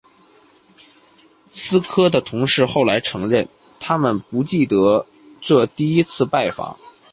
科斯的同事后来承认，他们不记得这第一次拜访。